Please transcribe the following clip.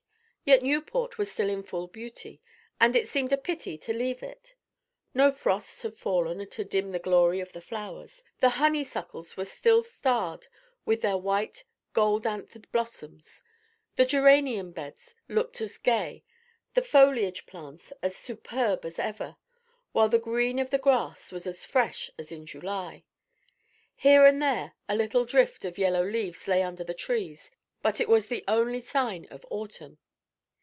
Yet Newport was still in full beauty, and it seemed a pity to leave it. No frosts had fallen to dim the glory of the flowers. The honeysuckles were still starred with their white, gold anthered blossoms; the geranium beds looked as gay, the foliage plants as superb as ever; while the green of the grass was as fresh as in July. Here and there a little drift of yellow leaves lay under the trees, but it was the only sign of autumn.